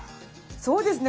そうですね。